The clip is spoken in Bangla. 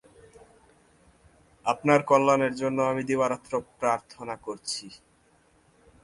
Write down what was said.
আপনার কল্যাণের জন্য আমি দিবারাত্র প্রার্থনা করছি।